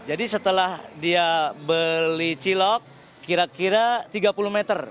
jadi setelah beli cilok kira kira tiga puluh meter